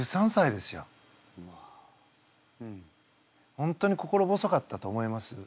本当に心細かったと思います。